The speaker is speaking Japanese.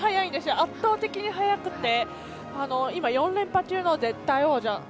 圧倒的に速くて今４連覇中の絶対王者。